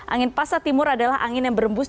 angin pasat timur adalah angin yang berembus